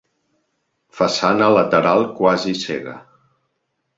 Façana lateral quasi cega.